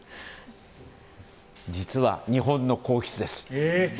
実は、日本の皇室です。